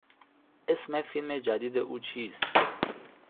اسم فیلم جدید او چیست؟